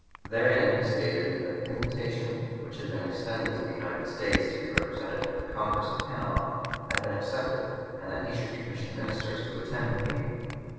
Therein he stated that the invitation which had been extended to the United States to be represented at the Congress of Panama had been accepted, and that he should commission ministers to attend the meeting.